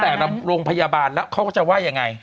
ตั้งแต่โรงพยาบาลแล้วเขาก็จะไหว้อย่างไร